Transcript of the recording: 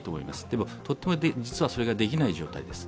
でもとても実はそれができない状態です。